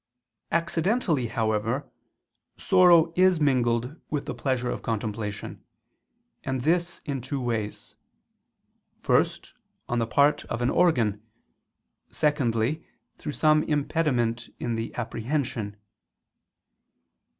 Accidentally, however, sorrow is mingled with the pleasure of contemplation; and this in two ways: first, on the part of an organ, secondly, through some impediment in the apprehension.